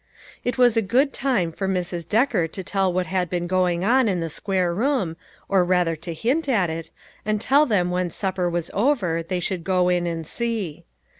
It was a good time for Mrs. Decker to tell what had been going on in the square room, or rather to hint at it, and tell them when supper was over, they should go in and see.